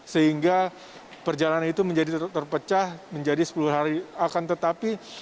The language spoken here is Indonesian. sehingga perjalanan itu menjadi terpecah menjadi sepuluh hari akan tetapi